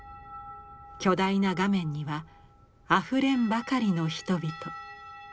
巨大な画面にはあふれんばかりの人々。